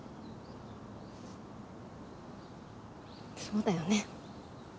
そうだよね。